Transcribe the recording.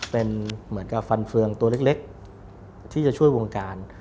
เป็นเหมือนกับฟันเฟืองตัวเล็กที่จะช่วยวงการ